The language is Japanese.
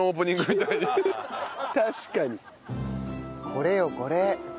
これよこれ。